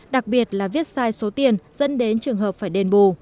đặc biệt là viết sai số tiền dẫn đến trường hợp phải đền bù